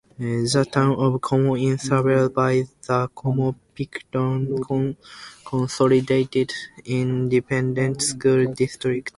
The Town of Como is served by the Como-Pickton Consolidated Independent School District.